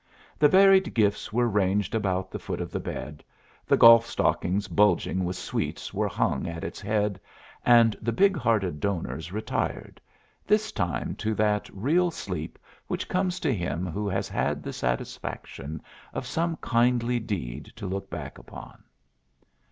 The varied gifts were ranged about the foot of the bed, the golf stockings bulging with sweets were hung at its head, and the big hearted donors retired, this time to that real sleep which comes to him who has had the satisfaction of some kindly deed to look back upon.